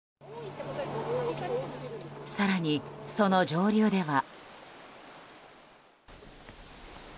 更にその上流では。